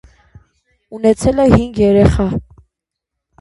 Ունեցել է հինգ երեխա։